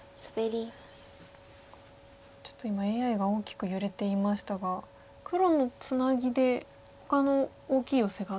ちょっと今ＡＩが大きく揺れていましたが黒のツナギでほかの大きいヨセがあった。